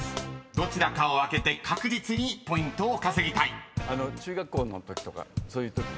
［どちらかを開けて確実にポイントを稼ぎたい］